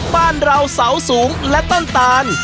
บ้านเราเสาสูงและต้นตาล